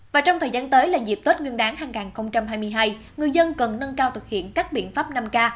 và trong thời gian tới là dịp tết nguyên đáng hai nghìn hai mươi hai người dân cần nâng cao thực hiện các biện pháp năm k